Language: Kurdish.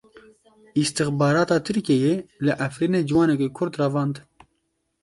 Îstixbarata Tirkiyeyê li Efrînê ciwanekî Kurd revand.